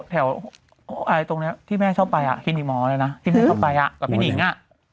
ให้มัยชอบไปขึ้นอีกหมอน่ะหินอีกคอไปกับพี่นิ่งอะ